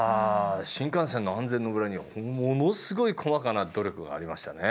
新幹線の安全の裏にはものすごい細かな努力がありましたね。